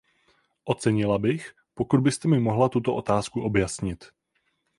Ocenila bych, pokud byste mi mohla tuto otázku objasnit.